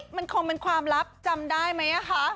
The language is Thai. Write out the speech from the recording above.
มันคงเป็นความลับจำได้ไหมคะ